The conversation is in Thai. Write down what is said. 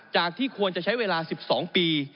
ที่ควรจะใช้เวลา๑๒ปี